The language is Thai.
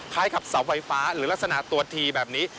กับเสาไฟฟ้าหรือลักษณะตัวทีแบบนี้